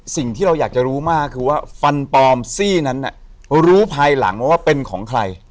สิ่งที่เราอยากจะรู้มากคือว่าฟันปลอมซี่นั้นรู้ภายหลังว่าเป็นของใคร